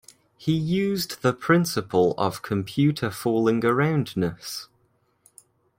He used the principle of computer fooling-aroundedness.